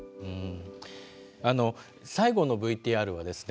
最後のＶＴＲはですね